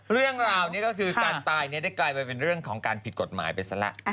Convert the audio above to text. เรื่องราวนี้ก็คือการตายได้กลายไปเป็นเรื่องของการผิดกฎหมายไปซะละ